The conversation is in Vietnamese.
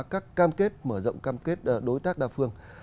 các cam kết mở rộng cam kết đối tác đa phương